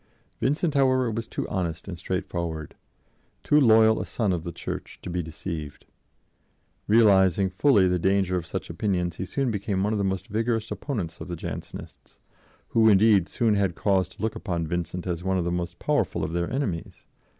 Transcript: Vincent, however, was too honest and straightforward, too loyal a son of the Church, to be deceived. Realizing fully the danger of such opinions, he soon became one of the most vigorous opponents of the Jansenists, who, indeed, soon had cause to look upon Vincent as one of the most powerful of their enemies.